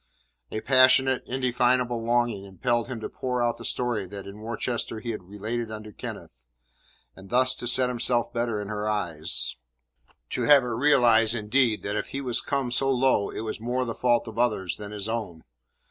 A passionate, indefinable longing impelled him to pour out the story that in Worcester he had related unto Kenneth, and thus to set himself better in her eyes; to have her realize indeed that if he was come so low it was more the fault of others than his own.